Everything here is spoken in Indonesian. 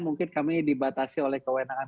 mungkin kami dibatasi oleh kewenangan